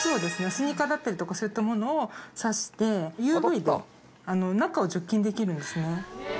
スニーカーだったりとかそういったものをさしてＵＶで中を除菌できるんですね。